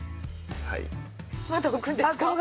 まだ置くんですか？